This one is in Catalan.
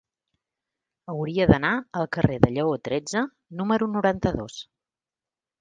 Hauria d'anar al carrer de Lleó tretze número noranta-dos.